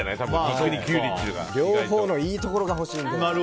両方のいいところが欲しいので。